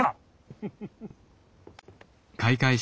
フフフフ。